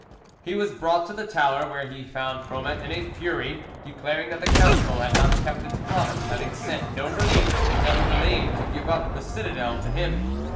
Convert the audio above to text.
He was brought to the tower, where he found Froment in a fury, declaring that the Council had not kept its promise, having sent no relief, and having delayed to give up the citadel to him.